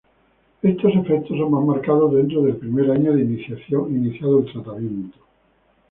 Estos efectos son más marcados dentro del primer año de iniciado el tratamiento.